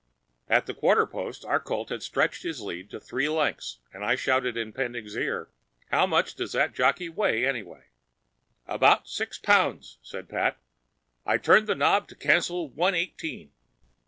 At the quarter post our colt had stretched his lead to three lengths, and I shouted in Pending's ear, "How much does that jockey weigh, anyway?" "About six pounds," said Pat. "I turned the knob to cancel one eighteen."